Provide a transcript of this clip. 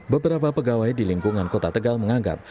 beberapa pegawai di lingkungan kota tegal menganggap